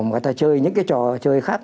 mà người ta chơi những cái trò chơi khác